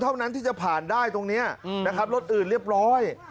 เท่านั้นที่จะผ่านได้ตรงนี้นะครับรถอื่นเรียบร้อย